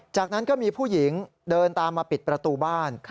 จากนั้นก็มีผู้หญิงเดินตามมาปิดประตูบ้าน